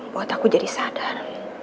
buat aku jadi sadar